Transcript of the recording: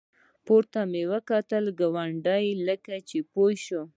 پورته مې وکتل، ګاونډي لکه چې پوه شو.